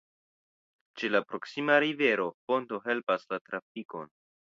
Ĉe la proksima rivero ponto helpas la trafikon.